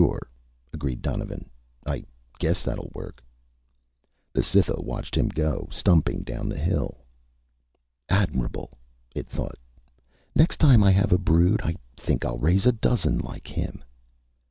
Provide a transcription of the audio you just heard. "Sure," agreed Duncan. "I guess that will work." The Cytha watched him go stumping down the hill. Admirable, it thought. Next time I have a brood, I think I'll raise a dozen like him.